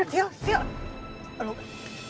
aduh kenapa juga mesti berhenti sih